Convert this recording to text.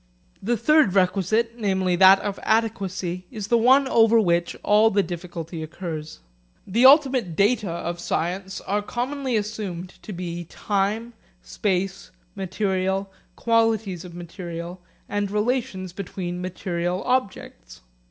The third requisite, namely that of adequacy, is the one over which all the difficulty occurs. The ultimate data of science are commonly assumed to be time, space, material, qualities of material, and relations between material objects.